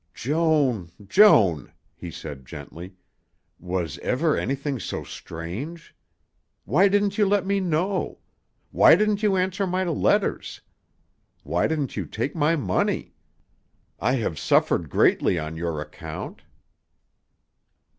"Joan, Joan," he said gently; "was ever anything so strange? Why didn't you let me know? Why didn't you answer my letters? Why didn't you take my money? I have suffered greatly on your account."